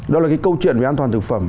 đó là cái câu chuyện về an toàn thực phẩm